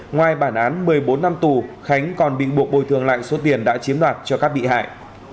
ngoài bản án một mươi bốn năm tù khánh còn bị buộc bồi thường lại số tiền đã chiếm đoạt cho các bị hại